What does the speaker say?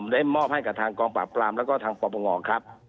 ได้มอบให้กับทางกองปราบปรามแล้วก็ทางปปงครับ